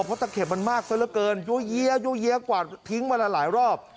เพราะตะเข็บมันมากซะละเกินยั่วเยี้ยกวาดทิ้งวันละหลายรอบ